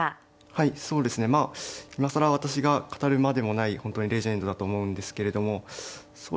はいそうですねまあ今更私が語るまでもない本当にレジェンドだと思うんですけれどもそうですね